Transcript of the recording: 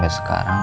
dan sampai sekarang